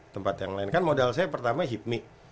tempat yang lain kan modal saya pertama hipmi